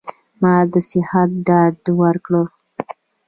ما د صحت ډاډ ورکړ.